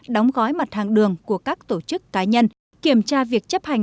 đóng gói mặt hàng đường của các tổ chức cá nhân kiểm tra việc chấp hành